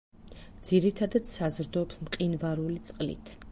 ძირითადად საზრდოობს მყინვარული წყლით.